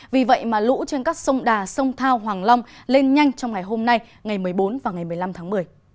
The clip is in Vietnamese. vì vậy mà lũ trên các sông đà sông thao hoàng long lên nhanh trong ngày hôm nay ngày một mươi bốn và ngày một mươi năm tháng một mươi